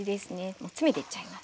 もう詰めていっちゃいます。